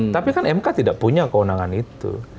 tapi kan mk tidak punya kewenangan itu